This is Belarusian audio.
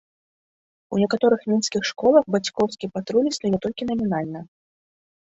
У некаторых мінскіх школах бацькоўскі патруль існуе толькі намінальна.